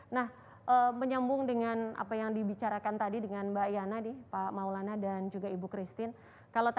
nah menyambung dengan apa yang dibicarakan tadi dengan mbak yana nih pak maulana dan juga ibu christine